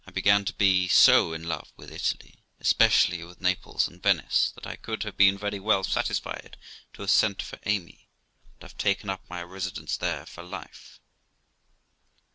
I began to be so in love with Italy, especially with Naples and Venice, that I could have been very well satisfied to have sent for Amy and have taken up my residence there for life.